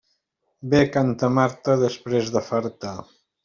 Bé canta Marta després de farta.